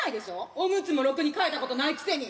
おむつもろくにも替えたことないくせに。